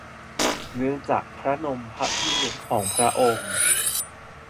เนื่องจากพระนมพระพี่เลี้ยงของพระองค์